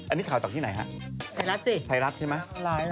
อันนี้ข่าวต่อที่ไหนฮะไทรัศน์ใช่ไหม